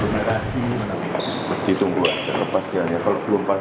dalam mendatangkan kewajiban agglomerasi